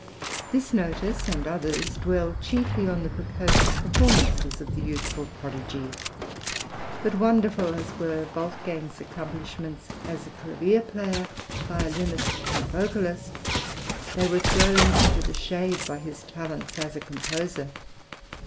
This notice and others dwell chiefly on the precocious performances of the youthful prodigy. But wonderful as were Wolfgang's accomplishments as a clavier player, violinist, and vocalist, they were thrown into the shade by his talents as a composer.